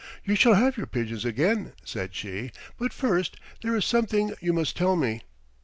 "You shall have your pigeons again," said she, "but first there is something you must tell me."